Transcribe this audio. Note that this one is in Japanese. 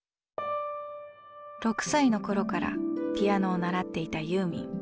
６歳の頃からピアノを習っていたユーミン。